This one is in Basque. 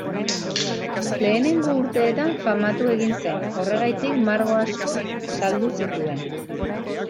Lehenengo urteetan famatu egin zen, horregatik margo asko saldu zituen.